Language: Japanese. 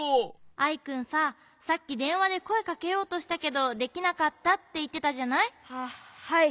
アイくんささっきでんわでこえかけようとしたけどできなかったっていってたじゃない？ははい。